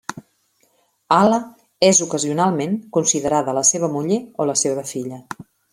Ala és ocasionalment considerada la seva muller o la seva filla.